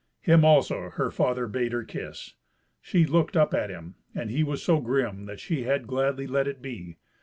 Him also her father bade her kiss. She looked up at him, and he was so grim that she had gladly let it be.